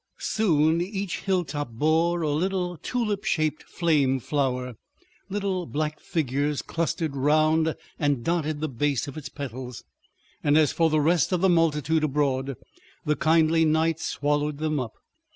... Soon each hilltop bore a little tulip shaped flame flower. Little black figures clustered round and dotted the base of its petals, and as for the rest of the multitude abroad, the kindly night swallowed them up.